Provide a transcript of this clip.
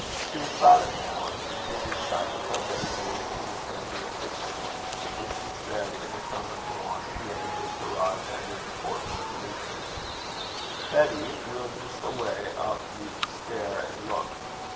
She was silent now, and continued silent till Betty moved to return to her kitchen, when she said, in a tone of one who had just arrived at an important resolution: 'Betty, we'll jist awa' up the stair an' luik.'